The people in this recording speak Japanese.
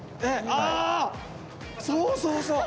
あそうそうそう！